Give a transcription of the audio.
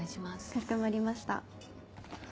かしこまりました。